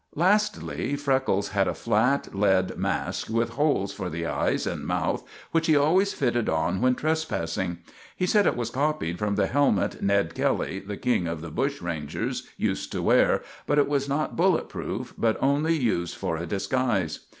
Lastly, Freckles had a flat lead mask with holes for the eyes and mouth, which he always fitted on when trespassing. He said it was copied from the helmet Ned Kelly, the King of the Bushrangers, used to wear, but it was not bullet proof, but only used for a disguise.